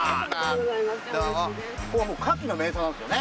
ここはカキの名産なんですよね？